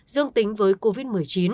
dương tính với covid một mươi chín